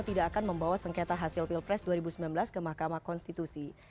tidak akan membawa sengketa hasil pilpres dua ribu sembilan belas ke mahkamah konstitusi